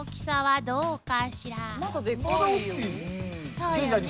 そうよね。